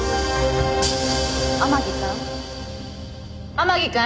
天樹くん。